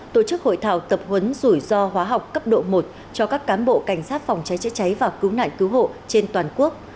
tổ chức hội thảo tập huấn rủi ro hóa học cấp độ một cho các cán bộ cảnh sát phòng cháy chữa cháy và cứu nạn cứu hộ trên toàn quốc